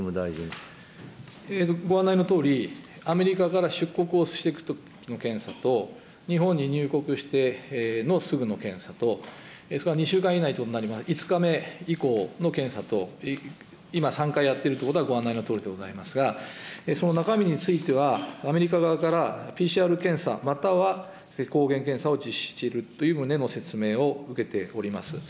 ご案内のとおり、アメリカから出国をしていくときの検査と、日本に入国してのすぐの検査と、２週間以内ということになれば、５日目以降の検査と、今、３回やっているということはご案内のとおりでございますが、その中身については、アメリカ側から、ＰＣＲ検査または抗原検査をしているとの旨での説明を受けております。